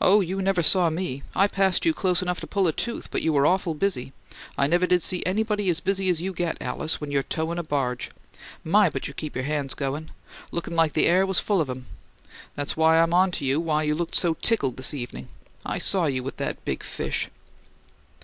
"Oh, you never saw me! I passed you close enough to pull a tooth, but you were awful busy. I never did see anybody as busy as you get, Alice, when you're towin' a barge. My, but you keep your hands goin'! Looked like the air was full of 'em! That's why I'm onto why you look so tickled this evening; I saw you with that big fish."